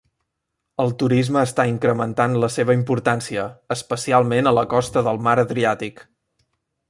El turisme està incrementant la seva importància, especialment a la costa del Mar Adriàtic.